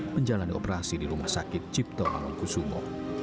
menjalani operasi di rumah sakit cipto mangunkusumo